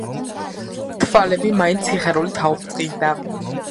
თვალები მაინც სიხარულით აუბრწყინდა.